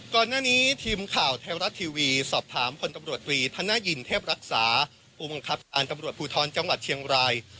ก่อนหน้านี้ทีมข่าวไทยรัฐทีวีสอบถามคนตำรวจตรีธนายินเทพรักษาผู้บังคับการตำรวจภูทรจังหวัดเชียงราย